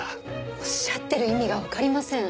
おっしゃってる意味がわかりません。